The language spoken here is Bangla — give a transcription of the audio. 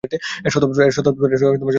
এর সদর দপ্তর সিলেটে।